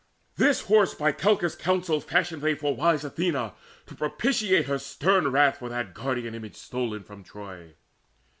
This horse by Calchas' counsel fashioned they For wise Athena, to propitiate Her stern wrath for that guardian image stol'n From Troy.